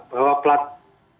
bahwa mobil yang dipakai pelat merah